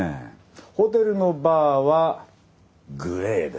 ホテルのバーはグレーです。